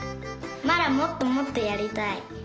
まだもっともっとやりたい！